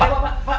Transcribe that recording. pak pak pak